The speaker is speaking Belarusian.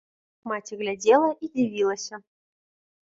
Маці глядзела і дзівілася.